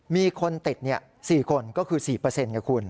มีคนติด๔คนก็คือ๔ไงคุณ